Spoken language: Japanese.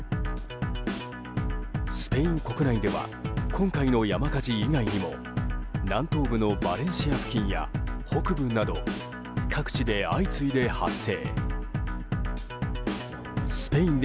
スペイン国内では今回の山火事以外にも南東部のバレンシア付近や北部など各地で相次いで発生。